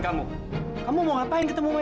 bisa pernah menyuruhnya